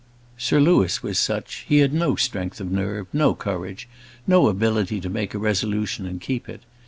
Sir Louis was such: he had no strength of nerve, no courage, no ability to make a resolution and keep it.